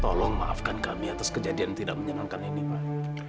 tolong maafkan kami atas kejadian tidak menyenangkan ini pak